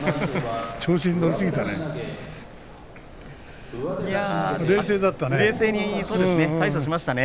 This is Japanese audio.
調子に乗りすぎたね。